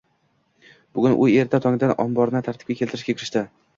Bugun u erta tongdan omborni tartibga keltirishga kirishdi